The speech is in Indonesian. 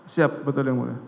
siap betul ya mulia